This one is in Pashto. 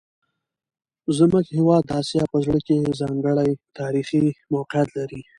زموږ هیواد د اسیا په زړه کې یو ځانګړی تاریخي موقعیت لري.